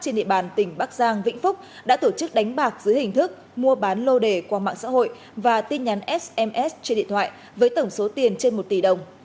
trên địa bàn tỉnh bắc giang vĩnh phúc đã tổ chức đánh bạc dưới hình thức mua bán lô đề qua mạng xã hội và tin nhắn sms trên điện thoại với tổng số tiền trên một tỷ đồng